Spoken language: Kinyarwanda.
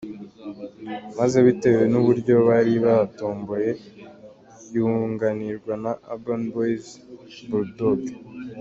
maze bitewe nuburyo bari batomboye yunganirwa na Urban boyz, Bull Dog,.